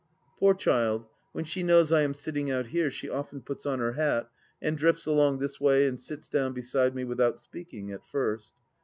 ... Poor child, when she knows I am sitting out here she often puts on her hat and drifts along this way and sits down beside me without speaking — at first.